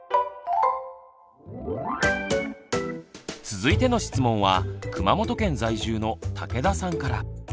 続いての質問は熊本県在住の竹田さんから。